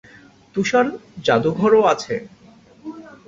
তুষার-জাদুঘরও আছে।